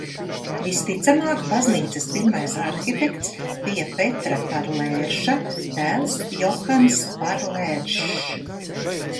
Visticamāk baznīcas pirmais arhitekts bija Petra Parlērža dēls Johans Parlēržs.